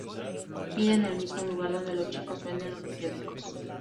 Pide en el mismo lugar donde los chicos venden los periódicos.